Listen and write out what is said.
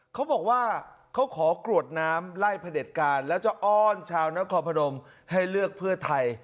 เขาบอกว่าเขาขอกรวดน้ำไล่พระเด็จการแล้วจะอ้อนชาวนครพนมให้เลือกเพื่อไทย